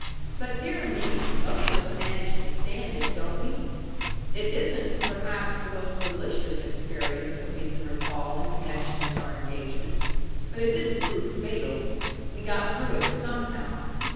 But dear me! most of us manage to stand it, don't we? It isn't, perhaps, the most delicious experience that we can recall in connection with our engagement. But it didn't prove fatal. We got through it somehow.